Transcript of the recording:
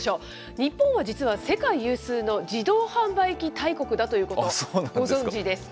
日本は実は、世界有数の自動販売機大国だということ、ご存じですか。